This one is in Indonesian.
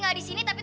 eh ada apa